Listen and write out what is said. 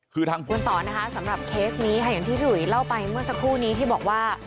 คุณสอนนะคะสำหรับเคสนี้หายังที่ถืออีเล่าไปเมื่อสักครู่นี้ที่บอกว่า